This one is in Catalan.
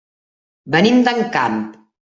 Venim d'Encamp.